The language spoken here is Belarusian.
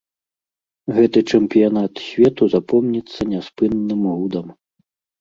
Гэты чэмпіянат свету запомніцца няспынным гудам.